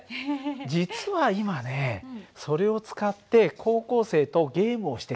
実は今ねそれを使って高校生とゲームをしてきたんだ。